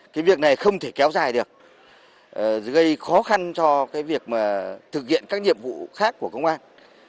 cái việc này không thể kéo dài được gây khó khăn cho cái việc mà thực hiện các nhiệm vụ khác của công an